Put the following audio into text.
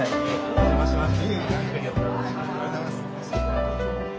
お邪魔しました。